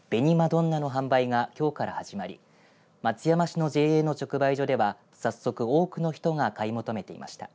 どんなの販売がきょうから始まり松山市のＪＡの直売所では早速多くの人が買い求めていました。